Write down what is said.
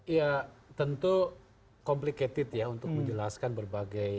ya tentu complicated ya untuk menjelaskan berbagai